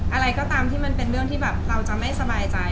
อะไรก็ตามที่มันเป็นเรื่องที่แบบเราจะไม่สบายใจ